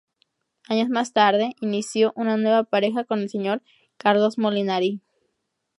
Años más tarde, inició una nueva pareja con el Sr. Carlos Molinari.